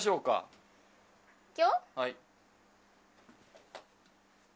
はい。